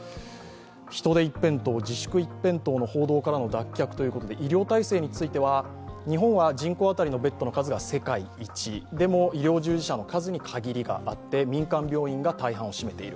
人出一辺倒、自粛一辺倒の報道からの脱却ということで、医療体制については、日本は人口当たりのベッドの数が世界一、でも医療従事者の数に限りがあって民間病院が大半を占めている。